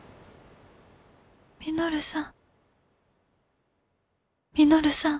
稔さん。